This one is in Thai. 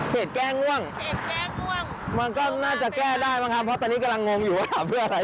แก้ง่วงมันก็น่าจะแก้ได้บ้างครับเพราะตอนนี้กำลังงงอยู่ว่าทำเพื่ออะไร